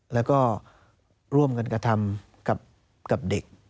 แล้วก็ร่วมกันกระทำกับเด็ก